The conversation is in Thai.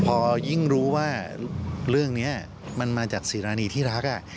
พอยิ่งรู้ว่าเรื่องนี้มันมาจากศิรานีที่รัก